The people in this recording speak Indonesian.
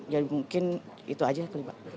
jadi mungkin itu saja